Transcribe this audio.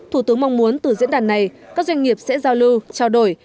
thủ tướng mong muốn từ diễn đàn này các doanh nghiệp sẽ giao lưu trao đổi